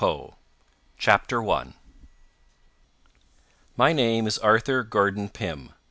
G. PYM. CHAPTER 1 My name is Arthur Gordon Pym.